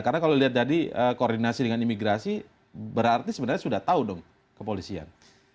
karena kalau lihat tadi koordinasi dengan imigrasi berarti sebenarnya sudah tahu dong kepolisian